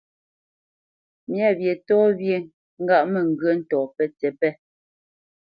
Myâ wyê tɔ́ wyê ŋgâʼ mə ŋgyə̂ ntɔ̌ pətsǐ pé.